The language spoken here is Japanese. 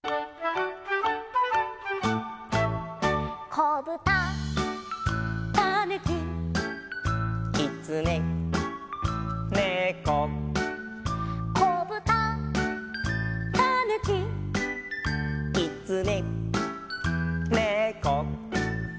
「こぶた」「たぬき」「きつね」「ねこ」「こぶた」「たぬき」「きつね」「ねこ」